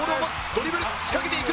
ドリブル仕掛けていく。